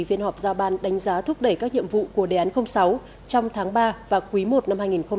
phiên họp giao ban đánh giá thúc đẩy các nhiệm vụ của đề án sáu trong tháng ba và quý i năm hai nghìn hai mươi